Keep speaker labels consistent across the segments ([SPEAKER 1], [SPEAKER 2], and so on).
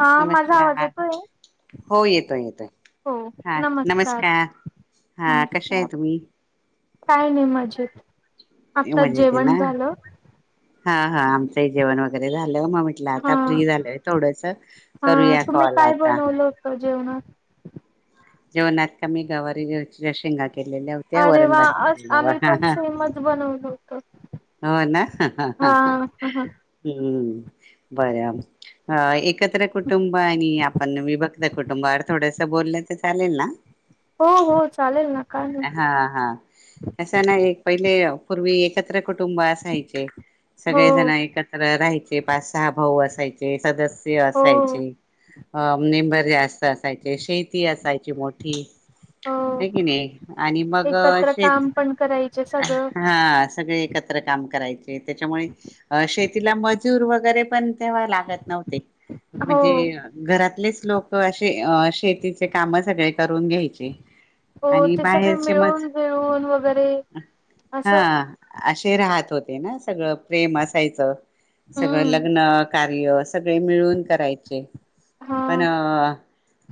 [SPEAKER 1] हा माझा आवाज
[SPEAKER 2] नमस्कार
[SPEAKER 1] येतोय
[SPEAKER 2] हो येतोय येतोय हा नमस्कार हा कश्या आहे
[SPEAKER 1] नमस्कार
[SPEAKER 2] तुम्ही?
[SPEAKER 1] काय नाही मजेत आत्ता
[SPEAKER 2] मजेत आहे ना
[SPEAKER 1] जेवण झालं
[SPEAKER 2] हा हा आमचही जेवण वगैरे झा ल म म्हटलं
[SPEAKER 1] हा
[SPEAKER 2] आता फ्री झालय थोडस
[SPEAKER 1] हा
[SPEAKER 2] करूया
[SPEAKER 1] तुम्ही
[SPEAKER 2] कॉल
[SPEAKER 1] काय
[SPEAKER 2] आता
[SPEAKER 1] बनवलं होतं जेवणात
[SPEAKER 2] जेवणात का मी गवारीच्या शेंगा केलेल्या होत्या
[SPEAKER 1] अरे
[SPEAKER 2] वरण
[SPEAKER 1] वा
[SPEAKER 2] भात
[SPEAKER 1] आज आम्ही पण
[SPEAKER 2] केलेल्या
[SPEAKER 1] सेमच बनवलं होत
[SPEAKER 2] हो ना
[SPEAKER 1] हा ह
[SPEAKER 2] [unintelligible] हा एक एकत्र कुटुंब आणि आपण विभक्त कुंटूबावर थोडंस त्या बोलल्या चालेल ना?
[SPEAKER 1] हो हो चालेल ना काय नाही
[SPEAKER 2] हा, हा कसं आहे ना पहिले पूर्वी एकत्र कुटुंब असायचे
[SPEAKER 1] हो
[SPEAKER 2] सगळे जण एकत्र राहायचे पाच सहा भाऊ आस असायचे सदस्य
[SPEAKER 1] हो
[SPEAKER 2] असायचे [unintelligible] जास्त असायचे शे ती असायची मोठी
[SPEAKER 1] हो
[SPEAKER 2] होय कणी आणि मग
[SPEAKER 1] एकत्र काम
[SPEAKER 2] शेती
[SPEAKER 1] पण करायचे सगळं
[SPEAKER 2] हा सगळे एकत्र काम करायचे ते त्याच्यामुळे शेतीला मजूर वगैरे पण तेव्हा लागत नव्हते
[SPEAKER 1] हो
[SPEAKER 2] म्हणजे घरातलेच लोक असे अ शेतीचे काम सगळे- करून घ्यायचे.
[SPEAKER 1] हो
[SPEAKER 2] आणि
[SPEAKER 1] ते सगळे
[SPEAKER 2] बाहेरचे मग
[SPEAKER 1] मिळून मिळून वगैरे
[SPEAKER 2] हा
[SPEAKER 1] असं
[SPEAKER 2] असे राहा राहात होते ना सगळं प्रेम असायचं सगळं
[SPEAKER 1] हम्म
[SPEAKER 2] लग्न- कार्य सगळे मिळून करायचे पण
[SPEAKER 1] हा
[SPEAKER 2] आआ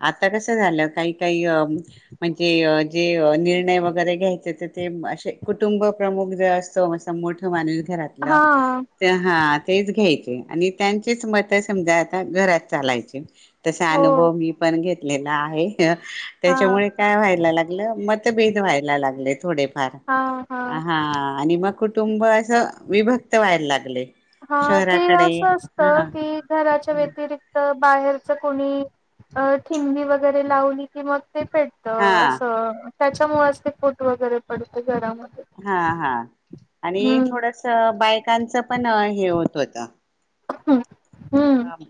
[SPEAKER 2] आता कसं झालं काही काही म्हणजे जे निर्णय वगैरे घ्यायचे ते असे कुटुंब प्रमुख जे असतो म मोठं माणूस घरातलं
[SPEAKER 1] हा
[SPEAKER 2] ते हात- तेच घ्यायचे आणि त्यांचेच मत समजा आता घरात चालायचे तसा
[SPEAKER 1] हो
[SPEAKER 2] अनुभव मी पण घेत- लेला आहे.
[SPEAKER 1] हा
[SPEAKER 2] त्याच्यामुळे काय व्हायला लागलं मतभेद व्हायला लागलेत थोडे फार हा आणि मग कुटुंब असं विभक्त व्हायला लागले.
[SPEAKER 1] हा ते
[SPEAKER 2] शहराकडे
[SPEAKER 1] असं असत
[SPEAKER 2] हा
[SPEAKER 1] की घराच्या व्यतिरिक्त बाहेरच कोणी ठिणगी वगैरे लावली कि म ते पेटत
[SPEAKER 2] हा
[SPEAKER 1] असं त्यांच्यामुळेच ते फोटो वगैरे पडते.
[SPEAKER 2] हा हा आणि
[SPEAKER 1] हम्म
[SPEAKER 2] थोडस बायकांच पण हे होत होत.
[SPEAKER 1] हू हू
[SPEAKER 2] ह अम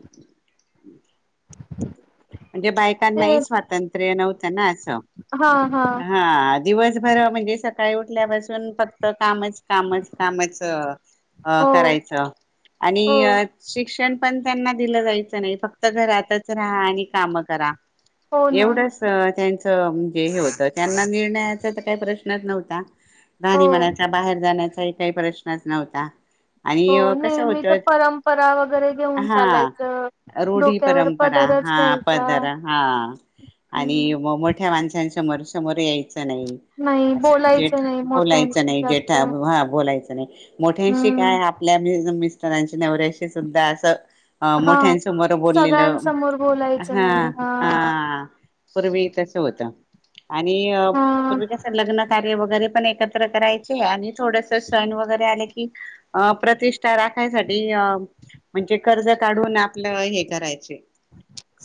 [SPEAKER 1] [unintelligible]
[SPEAKER 2] म्हणजे
[SPEAKER 1] ते
[SPEAKER 2] बायकांनाही स्वातंत्र्य नव्हतं ना असं
[SPEAKER 1] हा हा
[SPEAKER 2] हा दिवसभर म्हणजेच सकाळी उठल्यापासून, फक्त कामच कामच कामचं अ
[SPEAKER 1] हो
[SPEAKER 2] करायचं
[SPEAKER 1] हो
[SPEAKER 2] आणि शिक्षण. पण त्यांना दिलं जायचं नाही फक्त घरातच राहा आणि काम करा.
[SPEAKER 1] हो ना
[SPEAKER 2] एवढच त्यांच म्हणजे हे. त्यांना निर्णयाचा तर काही प्रश्नच नव्हता.
[SPEAKER 1] हो
[SPEAKER 2] राणी म्हणायच्या बाहेर जाण्याचा काही प्रश्नच नव्हता.
[SPEAKER 1] हो,
[SPEAKER 2] आणि अ, कसं
[SPEAKER 1] नेहमी तर
[SPEAKER 2] होतं
[SPEAKER 1] परंपरा वगैरे घेऊन
[SPEAKER 2] हा
[SPEAKER 1] चालायचं
[SPEAKER 2] रूढी
[SPEAKER 1] डोक्यावर
[SPEAKER 2] परंपरा
[SPEAKER 1] पदरच
[SPEAKER 2] हा
[SPEAKER 1] घ्यायचा
[SPEAKER 2] पदरा हा आणि
[SPEAKER 1] हम्म.
[SPEAKER 2] म [inaudible] समोर यायचं.
[SPEAKER 1] नाही
[SPEAKER 2] [inaudible] जेठ
[SPEAKER 1] बोलायचं नाही
[SPEAKER 2] बोलायचं
[SPEAKER 1] मोठ्यांशी
[SPEAKER 2] नाही.
[SPEAKER 1] जास्त
[SPEAKER 2] जेठा हा बोलायच. [unintelligible] मोठ्यांशी
[SPEAKER 1] हम्म
[SPEAKER 2] काय आपल्या [inaudible] त्यांची नवऱ्याशी सुद्धा असं, अ
[SPEAKER 1] हा
[SPEAKER 2] मोठ्यांसमोर बोललेलं
[SPEAKER 1] सगळ्यांसमोर बोलायचं
[SPEAKER 2] हा
[SPEAKER 1] नाही
[SPEAKER 2] हा पूर्वी तस होतं. आणि
[SPEAKER 1] हा
[SPEAKER 2] पूर्वी कस लग्नात हे वगैरे पण एकत्र करायचे, आणि थोडस सण वगैरे आले कि अ प्रतिष्ठा राखायसाठी म्हणजे कर्ज काढून आपलं हे करायचे.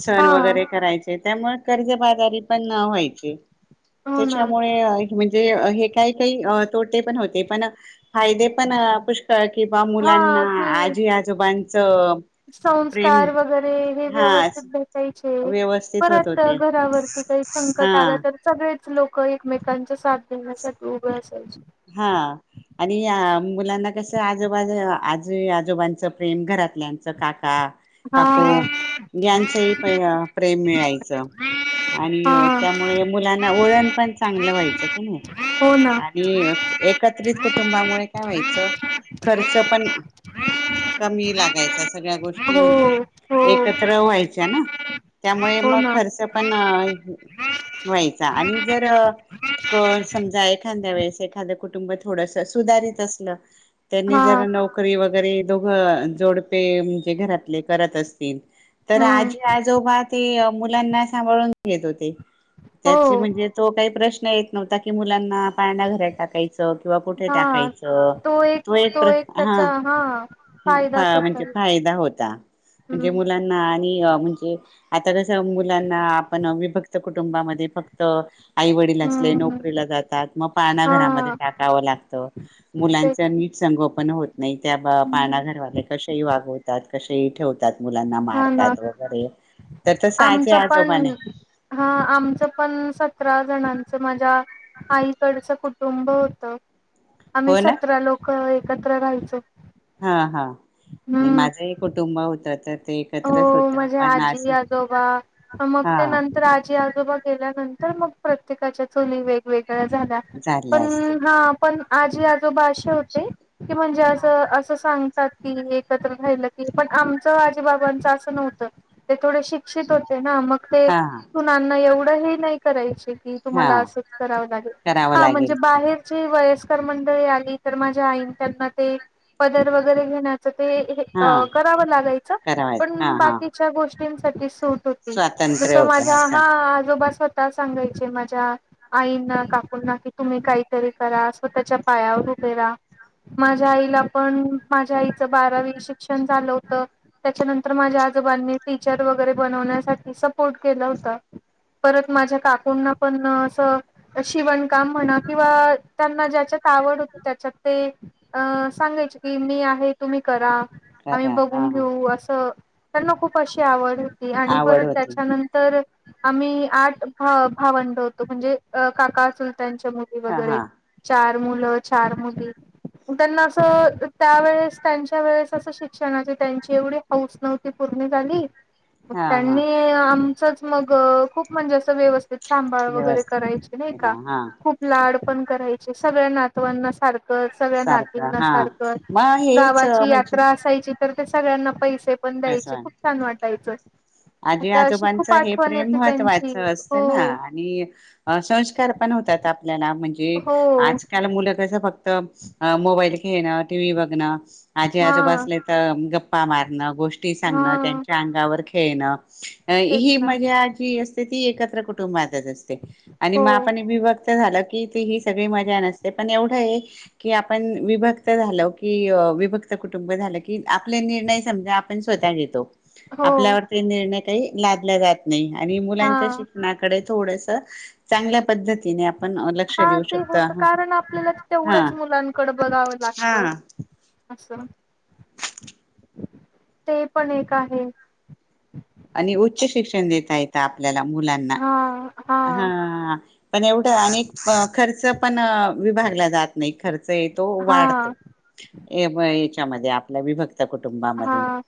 [SPEAKER 2] सण
[SPEAKER 1] हा
[SPEAKER 2] वगैरे करायचे. त्यामुळे कर्जबाजारी पण न व्हायचे.
[SPEAKER 1] हो ना
[SPEAKER 2] त्याच्यामुळे म्हणजे हे. काही काही तोटे पण, होते पण फायदे पण पु् किं बा
[SPEAKER 1] हा
[SPEAKER 2] मुलांना
[SPEAKER 1] ते
[SPEAKER 2] आजी आजोबांच प्रेम
[SPEAKER 1] संस्कार वगैरे हे
[SPEAKER 2] हा
[SPEAKER 1] व्यवस्थित भेटायचे
[SPEAKER 2] व्यवस्थित होत
[SPEAKER 1] परत
[SPEAKER 2] होते हा.
[SPEAKER 1] सगळेचं लोक एकमेकांच्या साथ देण्यासाठी उभे असायचे.
[SPEAKER 2] हा आणि मुलांना कस, आजोबा आजी आजोबांचं प्रेम घरातल्यांचं काक हा
[SPEAKER 1] हा
[SPEAKER 2] काकू यांचही प प्रेम मिळायचं,
[SPEAKER 1] हा
[SPEAKER 2] आणि त्यामुळे मुलांना ओळण पण चांगलं व्हायचं की नाही.
[SPEAKER 1] हो ना.
[SPEAKER 2] [inaudible] एकत्रित. कुटुंबामुळे काय व्हायचं खर्च पण कमी लागायच. सगळ्या गोष्टी
[SPEAKER 1] हो
[SPEAKER 2] म्हणजे,
[SPEAKER 1] हो
[SPEAKER 2] एकत्र व्हायच्या ना, त्यामुळे
[SPEAKER 1] हो
[SPEAKER 2] मग
[SPEAKER 1] ना
[SPEAKER 2] खर्च पण व्हायचा आणि जर समजा एखांद्या वेळेस. एखाद कुटुंब थोडस सुधारित असण. त्यांनी
[SPEAKER 1] हा
[SPEAKER 2] जरा नोकरी वगैर. वगैरे दोघं जोडपे म्हणजे घरातले करत असतील तर
[SPEAKER 1] हम्म
[SPEAKER 2] आजी आजोबा ते मुलांना सांभाळून घेत होते त्याची
[SPEAKER 1] हो
[SPEAKER 2] म्हणजे तो काही प्रश्न य नव्ह की मुलाना पाण्या घरा का का हा
[SPEAKER 1] हा
[SPEAKER 2] तर
[SPEAKER 1] एक
[SPEAKER 2] तो
[SPEAKER 1] एक त्याचा हा फायदाच होता
[SPEAKER 2] एक फायदा होता म्हणजे
[SPEAKER 1] हम्म
[SPEAKER 2] मुलांना म्हणजे आता जस मुलांना आपण विभक्त कुटुंबामध्ये फक्त आई वडील असले
[SPEAKER 1] हम्म
[SPEAKER 2] नोकरीला जातात मग पाळणा घरा
[SPEAKER 1] हा
[SPEAKER 2] टाका लागत मुलांच
[SPEAKER 1] तेच
[SPEAKER 2] नीट संगोपन होत नाही त्या पाळणा
[SPEAKER 1] हम्म.
[SPEAKER 2] घरवाले कसेही वागवतात तसेही ठेवते
[SPEAKER 1] हा ना
[SPEAKER 2] तर तसं आजी
[SPEAKER 1] आमचं
[SPEAKER 2] आजोबाने
[SPEAKER 1] पण हा आमचं पण सतरा जणांच माझ्या आईकडचं कुटुंब होत आम्ही
[SPEAKER 2] हो ना
[SPEAKER 1] सतरा लोक एकत्र राहायच
[SPEAKER 2] हा हा म माझही कुटुंब होतं तर ते एकत्रच
[SPEAKER 1] हो
[SPEAKER 2] होतं
[SPEAKER 1] म्हणजे
[SPEAKER 2] पण
[SPEAKER 1] आजी
[SPEAKER 2] असं
[SPEAKER 1] आजोबा मग
[SPEAKER 2] हा
[SPEAKER 1] ते नंतर आजी आजोबा गेल्यानंतर मग प्रत्येकाच्या चूली वेगवेगळ्या झाल्या
[SPEAKER 2] झाले
[SPEAKER 1] पण
[SPEAKER 2] असतील
[SPEAKER 1] हा पण आजी आजोबा असे होते की म्हणजे
[SPEAKER 2] हा
[SPEAKER 1] असं असं सांग एकत्र राहा पण आमच बाबांचं असं नव्हत ते थोडे शिक्षीत होते ना मग ते
[SPEAKER 2] हा
[SPEAKER 1] सुन्नाना एवढ तरीही नाही करायची तुम्हाला
[SPEAKER 2] हा
[SPEAKER 1] अस कराव लागेल
[SPEAKER 2] करावं लागेल
[SPEAKER 1] म्हणजे
[SPEAKER 2] का
[SPEAKER 1] बाहेरची वयस्कर मंडळी आली तर माझ्या आई त्यांना ते पदर वगैरे घे ते
[SPEAKER 2] हा
[SPEAKER 1] करावं लागायचं
[SPEAKER 2] करावाय हा
[SPEAKER 1] पण
[SPEAKER 2] हा
[SPEAKER 1] बाकीच्या गोष्टीं सूट जस
[SPEAKER 2] स्वातंत्र्य होतं
[SPEAKER 1] माझ्या
[SPEAKER 2] असं
[SPEAKER 1] हा आजोबास स् सांगायचे माझ्या आईंना काकूंना कि तुम्ही काहीतरी करा स्वतःच्या पायावर उभेरा माझ्या आईला पण माझ्या आईच बारावी शिक्षण झालं होतं त्याच्यानंतर माझ्या आजोबांनी टीचर वगैरे बनवण्यासाठी सपोर्ट केलं होत परत माझ्या काकूंना पण असं शिवणकाम म्हणा किंवा त्यांना ज्याच्यात आवड होती त्याच्यात ते अ सांगायचे कि मी आहे तुम्ही करा आम्ही
[SPEAKER 2] बरा हा
[SPEAKER 1] बघून घेऊ असं त्यांना खूप खूप अशी आवड होती आणि परत
[SPEAKER 2] आवड होती
[SPEAKER 1] त्याच्यानंतर आम्ही आठ भा भावंडवतो म्हणजे काका अस मुली
[SPEAKER 2] हा
[SPEAKER 1] वगैरे
[SPEAKER 2] हा
[SPEAKER 1] चार चार मुल चार मुली त्यानां अस त्यावेळेस त्याच्यावेळेस शिक्षणाच जेवढे हाऊस नव्हती पूर्ण झालं [unintelligible]
[SPEAKER 2] हा हा
[SPEAKER 1] तसच मगं खूप म्हणजे असं व्यवस्थित सांभळ वगैरे
[SPEAKER 2] व्यवस्थित
[SPEAKER 1] करायचे नाही
[SPEAKER 2] केला
[SPEAKER 1] का
[SPEAKER 2] हा
[SPEAKER 1] खूप लाड पण करायचे सगळ्या नातवांना सारख सगळ्या
[SPEAKER 2] सारखं
[SPEAKER 1] नातीं
[SPEAKER 2] हा
[SPEAKER 1] सारख
[SPEAKER 2] मग हेच
[SPEAKER 1] गावाची
[SPEAKER 2] म्हणजे
[SPEAKER 1] यात्रा असायची तर ते सगळ्यांना पैसे पण द्यायचे
[SPEAKER 2] बसवा
[SPEAKER 1] खूप छान वाट जायचं.
[SPEAKER 2] आजी आजोबांचं हे प्रेम
[SPEAKER 1] त्यांची
[SPEAKER 2] महत्वाच
[SPEAKER 1] हो
[SPEAKER 2] असतं ना आणि संस्कार पण होतात आपल्याला म्हणजे
[SPEAKER 1] हो
[SPEAKER 2] आजकाल मुलं कस फक्त. त अ मोबाईल घेण, टी. व्ही. बघणं---. आजी आजोबा
[SPEAKER 1] हा.
[SPEAKER 2] असले तर, गप्पा मारणं, गोष्टी सांगणं,
[SPEAKER 1] हा
[SPEAKER 2] त्यांच्या अंगावर खे, येना.
[SPEAKER 1] तेच
[SPEAKER 2] ही
[SPEAKER 1] ना
[SPEAKER 2] मज्या जी असते ती एकत्र त्र कुटूंबात तज असते आणि
[SPEAKER 1] हो
[SPEAKER 2] म आपण विभक्त झाल कि, कि ती ही सगळी मजा नसते पण एवढं आहे की, आपण विभक्त झालो, की विभक्त कुटुंब झालं की, आपले निर्णय समजा आपण स्वतः घेतो.
[SPEAKER 1] हो.
[SPEAKER 2] आपल्यावर ते निर्णय काही लादल्या जात नाही आणि
[SPEAKER 1] हा.
[SPEAKER 2] मुलांच्या शिक्षणाकडे थोडस. चांगल्या पद्धतीने आपण लक्ष
[SPEAKER 1] हा
[SPEAKER 2] देऊ
[SPEAKER 1] ते
[SPEAKER 2] शकतो
[SPEAKER 1] होत कारण आपल्याला
[SPEAKER 2] हा
[SPEAKER 1] तेवढ्याच मुलांकडे बघाव लागत
[SPEAKER 2] हा.
[SPEAKER 1] अस ते पण एक आहे
[SPEAKER 2] आणि उच्च शिक्षण देता येत आपल्या आपल्याला मुलांना
[SPEAKER 1] हां हां
[SPEAKER 2] हा. पण एवढ अन खर्च पण विभागला जात नाही खर्च च येतो
[SPEAKER 1] हां
[SPEAKER 2] वाढतो ए बायचे. त्यामध्ये आपला विभक्त कुटुंबामध्ये
[SPEAKER 1] हा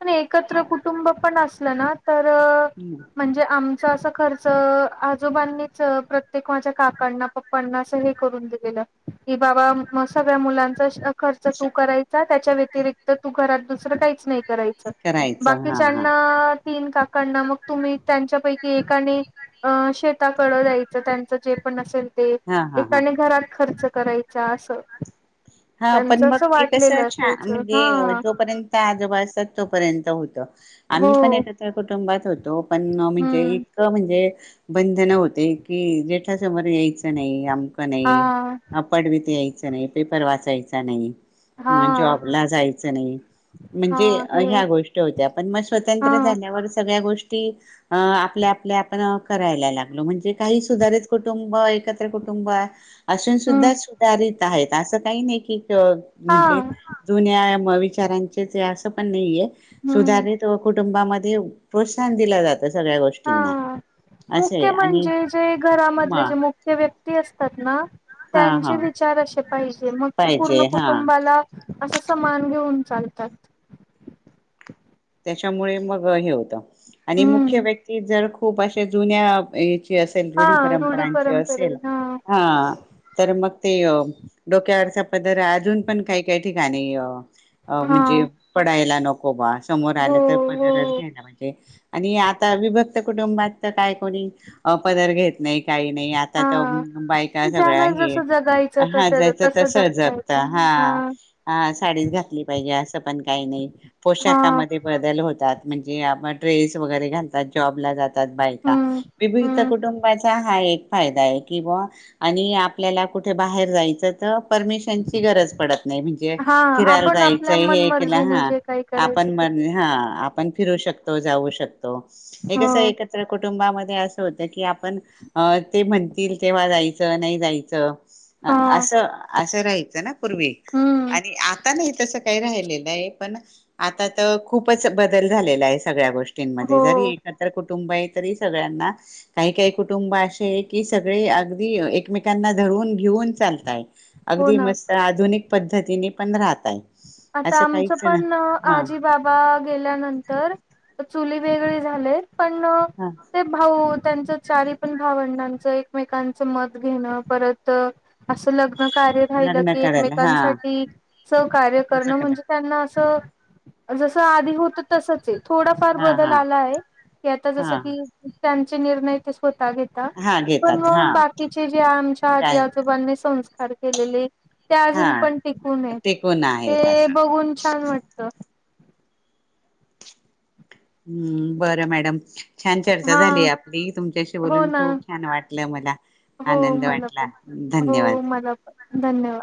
[SPEAKER 1] पण एकत्र कुटुंब पण असलं ना तर
[SPEAKER 2] अच्छा.
[SPEAKER 1] म्हणजे आम च अस खर्च आजोबांनीच प्रत्येक माझ्या काकांना, पप्पांना अस हे करून दिलेलं की बाबा म सगळ्या मुलांचा खर्च तू करायचा त्याच्या व्यतिरिक्त तू घरात दुसरं काहीच नाही. करायचा
[SPEAKER 2] करायचं हा हा
[SPEAKER 1] बाकीच्यांना तीन का कंड मग तुम्ही त्यांच्यापैकी एकाने अ शेताकड जायचं त्यांच जे पण असेल. ते
[SPEAKER 2] हा हा हा.
[SPEAKER 1] एकाने घरात खर्च करायच असं.
[SPEAKER 2] हा पण
[SPEAKER 1] त्यांचं
[SPEAKER 2] मग
[SPEAKER 1] असं
[SPEAKER 2] ते कस
[SPEAKER 1] वाटलेलं
[SPEAKER 2] छान
[SPEAKER 1] असायचं हा
[SPEAKER 2] म्हणजे जोपर्यंत त्या आजोबा असतात तोपर्यंत होतं.
[SPEAKER 1] हो
[SPEAKER 2] आम्ही पण एकत्र कुटुंबात होतो. पण म्हणजे
[SPEAKER 1] हम्म
[SPEAKER 2] इतकं म्हणजे बंधन होते की जे समोर यायचं नाही अमकं
[SPEAKER 1] हा
[SPEAKER 2] नाही अपाट भिती [unintelligible] प्रवास व्हायचा नाही.
[SPEAKER 1] हा
[SPEAKER 2] म जॉबला जायच नाही
[SPEAKER 1] हा
[SPEAKER 2] म्हणजे
[SPEAKER 1] हे
[SPEAKER 2] ह्या गोष्टी होत्या पण, म
[SPEAKER 1] हा
[SPEAKER 2] स्वतंत्र झाल्यावर सगळ्या गोष्टी ते आपल्या आपल्या आपण करायला लागलो. म्हणजे काही सुधारित कुटुंब, एकत्र कुटुंब असून
[SPEAKER 1] हम्म
[SPEAKER 2] सुद्धा सुधारित आहेत अस काही नाही की.
[SPEAKER 1] हा
[SPEAKER 2] म्हणजे जुन्या म विचारांचेच असं पण नाहीय.
[SPEAKER 1] हम्म
[SPEAKER 2] सुधारले तवा कुठ कुटुंबामध्येध्ये प्रोत्साहन दिला जातं. सगळ्या
[SPEAKER 1] हा
[SPEAKER 2] गोष्टींना असं आहे
[SPEAKER 1] मुख्य
[SPEAKER 2] आणि
[SPEAKER 1] म्हणजे जे
[SPEAKER 2] म
[SPEAKER 1] घरामधले जे मुख्य व्यक्ती असतात ना
[SPEAKER 2] हा
[SPEAKER 1] त्यांचे
[SPEAKER 2] हा
[SPEAKER 1] विचार अश पाहिजे मग ते पूर्ण
[SPEAKER 2] पाहिजे हा
[SPEAKER 1] कुटुंबाला असं समान घेऊन चालतात.
[SPEAKER 2] त्याच्यामुळे मग हे होतं आणि मुख्य
[SPEAKER 1] हम्म
[SPEAKER 2] व्यक्ती जर खूप अशे जुन्या या च असेल
[SPEAKER 1] हा
[SPEAKER 2] रूढी परंपरांची
[SPEAKER 1] परंपरे
[SPEAKER 2] असेल
[SPEAKER 1] हा
[SPEAKER 2] हा तर मग ते ते डोक्यावरचा पदर अजून पण काही काही ठिकाणी अ अ
[SPEAKER 1] हा
[SPEAKER 2] म्हणजे पडायला नक हो बाळ समोर
[SPEAKER 1] हो
[SPEAKER 2] आलं तर
[SPEAKER 1] हो
[SPEAKER 2] पदरच घ्यायला म्हणजे आणि आता विभक्त कुटुंबात तर काय कोणी अ पदर घेत नाही. काही नाही आता
[SPEAKER 1] हा
[SPEAKER 2] बायका सगळ
[SPEAKER 1] ज्याला
[SPEAKER 2] हे
[SPEAKER 1] जसं जगायचं तर
[SPEAKER 2] हा
[SPEAKER 1] त्या
[SPEAKER 2] जायच तर
[SPEAKER 1] तसं
[SPEAKER 2] सहज
[SPEAKER 1] जगता
[SPEAKER 2] जातात
[SPEAKER 1] येत
[SPEAKER 2] हा साडीच घातली पाहिजे असं पण काही नाही पोशाख
[SPEAKER 1] हा
[SPEAKER 2] मध्ये बदल होतात. म्हणजे आपण ड्रेस वगैरे घालतात जॉबला जातात. बायका
[SPEAKER 1] हम्म
[SPEAKER 2] विविध
[SPEAKER 1] हम्म
[SPEAKER 2] कुटुंबाचा हा एक फायदा आहे किंवा आणि आपल्याला कुठे बाहेर जायचं तर परमिशनची गरज पडत नाही म्हणजे
[SPEAKER 1] हा
[SPEAKER 2] फिरायला
[SPEAKER 1] आपण आपल्या
[SPEAKER 2] जायचे हे केल
[SPEAKER 1] मनमर्जीने
[SPEAKER 2] हा
[SPEAKER 1] जे काही करायचं ते
[SPEAKER 2] मर्जी
[SPEAKER 1] करू.
[SPEAKER 2] हा आपण फिरू शकतो जाऊ शकतो. हे कस
[SPEAKER 1] हो
[SPEAKER 2] एकत्र कुटुंबामध्ये असं होतं की पण ते म्हण- -तील तेव्हा जायचं नाही जायचं.
[SPEAKER 1] हा
[SPEAKER 2] असं. असं राहायचं ना. पूर्वी
[SPEAKER 1] हम्म
[SPEAKER 2] आणि आता नाही. तस काही राहिलेलं नाही पण आता तर खूपच बदल झालेला आहे सगळ्या गोष्टी -मध्ये
[SPEAKER 1] हो
[SPEAKER 2] जरी एकत्र कुटुंब आहेत. तरी सगळ्यांना काही काही कुटुंब असे आहे की सगळे अगदी एकमेकांना धरून घेऊन चालताय.
[SPEAKER 1] हो
[SPEAKER 2] अगदी
[SPEAKER 1] ना
[SPEAKER 2] मस्त आधुनिक पद्धतीने पण राह -त्यात
[SPEAKER 1] आता
[SPEAKER 2] असं
[SPEAKER 1] आमचं
[SPEAKER 2] काहीच नाही.
[SPEAKER 1] पण अ, आजी बाबा गेल्यानंतर चुली वेगळे झाले. पण
[SPEAKER 2] ह
[SPEAKER 1] ते भाऊ त्यांच चारी पण भावंडांचं एकमेकांचं मत घेणं परत असं लग्न. कार्य राहिलं
[SPEAKER 2] लग्न
[SPEAKER 1] की
[SPEAKER 2] करायला हा
[SPEAKER 1] एकमेकांसाठी स कार्य
[SPEAKER 2] कस
[SPEAKER 1] करणं
[SPEAKER 2] करा
[SPEAKER 1] म्हणजे त्यांना असं. जसं आधी होत तसच हे. थोडाफार
[SPEAKER 2] हा
[SPEAKER 1] बदल
[SPEAKER 2] हा
[SPEAKER 1] आला आहे की आता जस
[SPEAKER 2] हा
[SPEAKER 1] की त्यां. चे निर्णय दे स्वतः. घ
[SPEAKER 2] हा
[SPEAKER 1] पण
[SPEAKER 2] घेतात हा
[SPEAKER 1] मग बाकीचे जे आमच्या आजी
[SPEAKER 2] काय
[SPEAKER 1] आजोबांनी संस्कार खेलेले. ते
[SPEAKER 2] हा
[SPEAKER 1] अजून पण टिकू येत.
[SPEAKER 2] टेकून आहेत
[SPEAKER 1] ते
[SPEAKER 2] असं
[SPEAKER 1] बघून छान वाटत. [inaudible]
[SPEAKER 2] हम्म बरं मॅडम. छान चर्चा
[SPEAKER 1] हा
[SPEAKER 2] झाली आपली तुमच्याशी
[SPEAKER 1] हो
[SPEAKER 2] बोलून
[SPEAKER 1] ना
[SPEAKER 2] खूप छान वाटलं मला
[SPEAKER 1] हो
[SPEAKER 2] आनंद
[SPEAKER 1] मला
[SPEAKER 2] वाटला
[SPEAKER 1] पण हो
[SPEAKER 2] धन्यवाद.
[SPEAKER 1] मला पण धन्यवाद